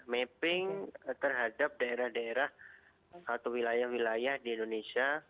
mapping terhadap daerah daerah atau wilayah wilayah di indonesia